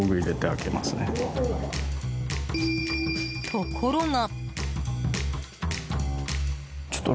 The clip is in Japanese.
ところが。